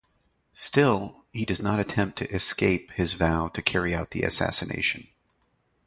Still, he does not attempt to escape his vow to carry out the assassination.